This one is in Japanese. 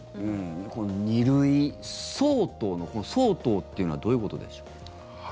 この２類相当のこの「相当」っていうのはどういうことでしょう？